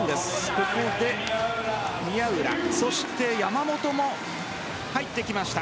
ここで宮浦そして、山本も入ってきました。